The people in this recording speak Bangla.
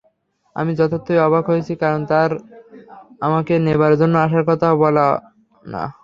আমি যথার্থই অবাক হয়েছি কারণ তার আমাকে নেবার জন্য আসার কথা না।